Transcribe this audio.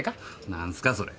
何すかそれ？